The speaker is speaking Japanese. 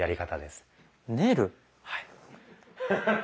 はい。